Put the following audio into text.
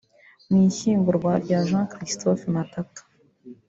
Mu ishyingurwa rya Jean Christophe Matata